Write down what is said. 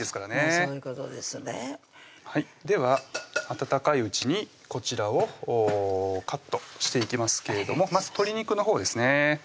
そういうことですねでは温かいうちにこちらをカットしていきますけれどもまず鶏肉のほうですね